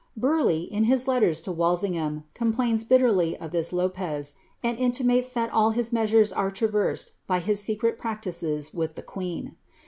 Burleigh, in his letters to Walsingham, com plains bitterly of this Lopez, and intimates that all his measures are tra versed by his secret practices with the queen.